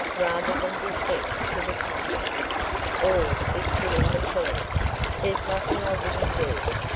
"Rather than be sent to the Compter, or be put in the pillory, there's nothing I wouldn't do.